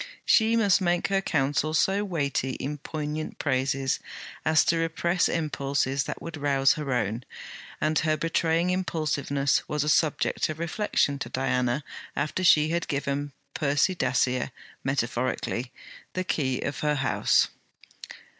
She must make her counsel so weighty in poignant praises as to repress impulses that would rouse her own; and her betraying impulsiveness was a subject of reflection to Diana after she had given Percy Dacier, metaphorically, the key of her house.